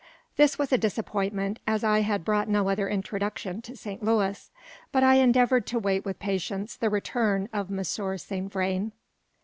This was a disappointment, as I had brought no other introduction to Saint Louis. But I endeavoured to wait with patience the return of Monsieur Saint Vrain.